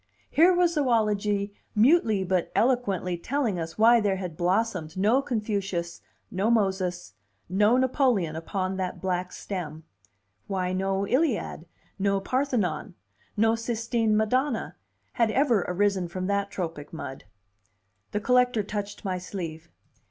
Here was zoology mutely but eloquently telling us why there had blossomed no Confucius, no Moses, no Napoleon, upon that black stem; why no Iliad, no Parthenon, no Sistine Madonna, had ever risen from that tropic mud. The collector touched my sleeve.